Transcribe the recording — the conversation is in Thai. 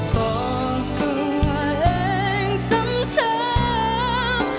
บอกตัวเองสำเสริม